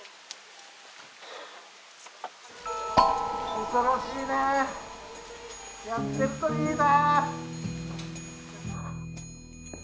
おそろしいねやってるといいな。